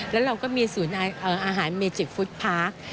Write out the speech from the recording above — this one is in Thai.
แล้วเราก็มีศูนย์อาหารเมจิกฟุตพาร์ค